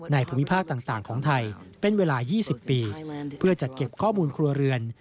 ภูมิภาคต่างของไทยเป็นเวลา๒๐ปีเพื่อจัดเก็บข้อมูลครัวเรือน